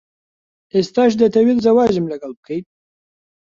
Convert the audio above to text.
ئێستاش دەتەوێت زەواجم لەگەڵ بکەیت؟